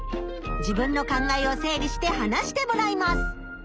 自分の考えを整理して話してもらいます。